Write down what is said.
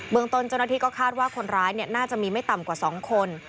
ตนเจ้าหน้าที่ก็คาดว่าคนร้ายน่าจะมีไม่ต่ำกว่า๒คน